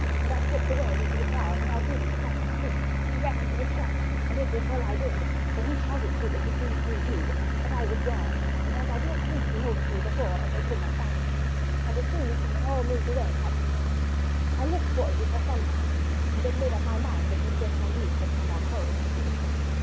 and I slipped away into the crowd without even stopping to think, and ran into a shop; and it was well I did, for he shouted to them to seize me too, but I was gone, and as I don't think he noticed me before, they could not find me; and as soon as they had all moved away I came out. I looked for you for some time, and then made up my mind that Monsieur Sandwith had come on home with you."